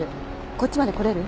こっちまで来れる？